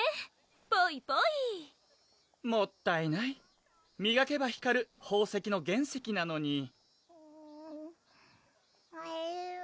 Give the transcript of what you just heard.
ぽいぽいもったいないみがけば光る宝石の原石なのにうんえる？